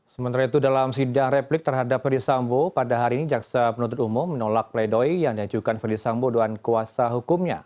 sementara itu dalam sidang replik terhadap ferdisambo pada hari ini jaksa penuntut umum menolak pledoi yang diajukan ferdisambo dengan kuasa hukumnya